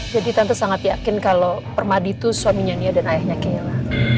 jadi tante sangat yakin kalau permadi itu suaminya nia dan ayahnya keila